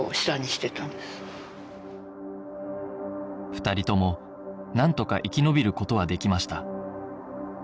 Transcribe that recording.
２人ともなんとか生き延びる事はできました